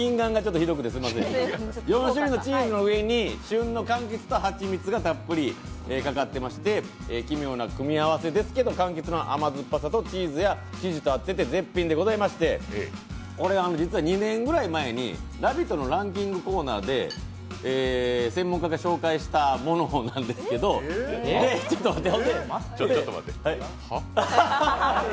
４種類のチーズの上に旬のチーズと柑橘がのっていて奇妙な組み合わせですけれども、かんきつの甘酸っぱさとチーズや生地と合っていて絶品でございまして、これは実は２年ぐらい前に「ラヴィット！」のランキングコーナーで専門家が紹介したものなんですけどちょっと待ってはぁ！？